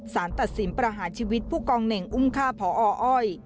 สารตัดสินประหารชีวิตผู้กองเหน่งอุ้มฆ่าพออ้อย